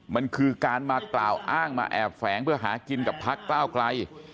มันคือการมากล่าวอ้างมาแอบแฝงเพื่อหากินกับพักก้าวไกล